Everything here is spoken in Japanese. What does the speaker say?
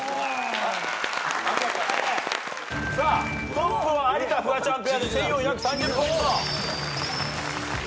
トップは有田フワちゃんペアで１，４３０ポイント。